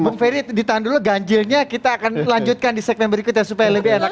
bung ferry ditahan dulu ganjilnya kita akan lanjutkan di segmen berikutnya supaya lebih enak